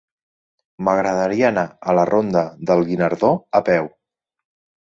M'agradaria anar a la ronda del Guinardó a peu.